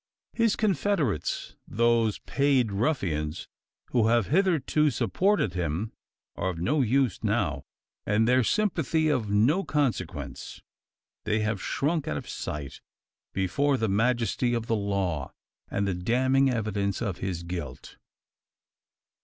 His confederates those payed ruffians who have hitherto supported him are of no use now, and their sympathy of no consequence. They have shrunk out of sight before the majesty of the law, and the damning evidence of his guilt.